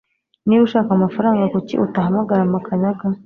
Niba ushaka amafaranga kuki utahamagara Makanyaga